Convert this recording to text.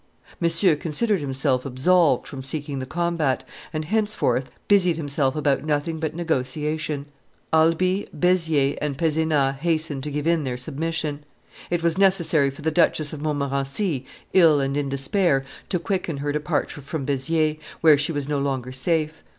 Monsieur considered himself absolved from seeking the combat, and henceforth busied himself about nothing but negotiation. Alby, Beziers, and Pezenas hastened to give in their submission. It was necessary for the Duchess of Montmorency, ill and in despair, to quicken her departure from Beziers, where she was no longer safe.